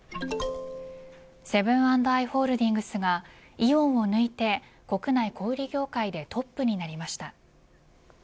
セブン＆アイ・ホールディングスがイオンを抜いて国内小売業界でトップになりました。